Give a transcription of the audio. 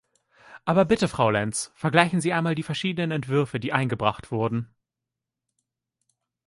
Aber bitte, Frau Lenz, vergleichen Sie einmal die verschiedenen Entwürfe, die eingebracht wurden.